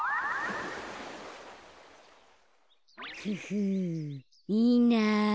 フフいいな。